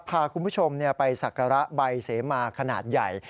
พาคุณผู้ชมไปสักการะใบเสมาขนาดใหญ่